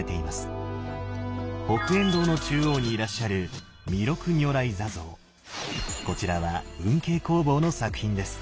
北円堂の中央にいらっしゃるこちらは運慶工房の作品です。